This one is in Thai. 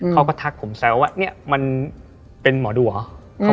ทักผมแซวว่าเนี่ยมันเป็นหมอดูเหรอ